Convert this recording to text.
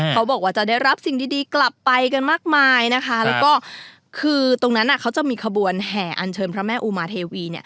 เขาบอกว่าจะได้รับสิ่งดีกลับไปกันมากมายนะคะแล้วก็คือตรงนั้นเขาจะมีขบวนแห่อันเชิญพระแม่อุมาเทวี